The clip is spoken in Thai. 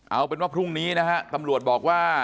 เอาเป็นว่าพรุ่งนี้นะฮะตำรวจบอกว่า